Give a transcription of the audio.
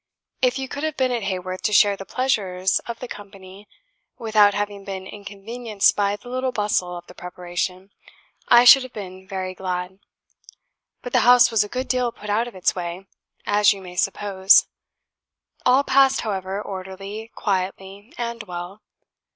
If you could have been at Haworth to share the pleasures of the company, without having been inconvenienced by the little bustle of the preparation, I should have been VERY glad. But the house was a good deal put out of its way, as you may suppose; all passed, however, orderly, quietly, and well.